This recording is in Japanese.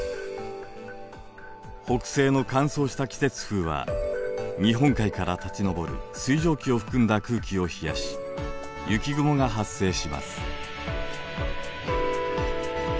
北西の乾燥した季節風は日本海から立ち上る水蒸気を含んだ空気を冷やし雪雲が発生します。